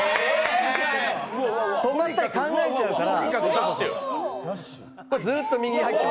止まったり考えちゃうから。